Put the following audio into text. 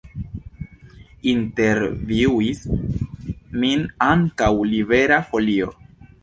Intervjuis min ankaŭ Libera Folio.